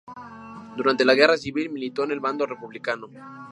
Durante la Guerra Civil, militó en el bando republicano.